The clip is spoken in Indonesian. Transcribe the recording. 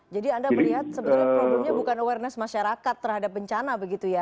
jadi anda melihat sebenarnya problemnya bukan awareness masyarakat terhadap bencana begitu ya